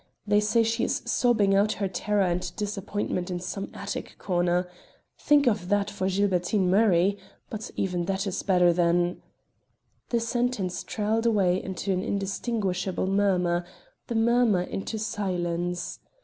They say she is sobbing out her terror and disappointment in some attic corner. Think of that for Gilbertine Murray! But even that is better than " The sentence trailed away into an indistinguishable murmur; the murmur into silence.